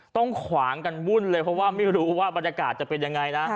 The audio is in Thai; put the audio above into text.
ขวางกันวุ่นเลยเพราะว่าไม่รู้ว่าบรรยากาศจะเป็นยังไงนะ